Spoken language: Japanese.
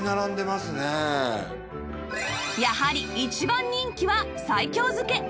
やはり一番人気は西京漬け